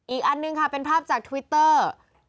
อีกอันหนึ่งค่ะเป็นภาพจากทวิตเตอร์